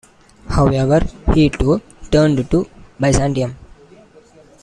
However, he too turned to Byzantium.